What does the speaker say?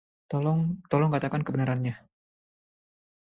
Tolong katakan kebenarannya.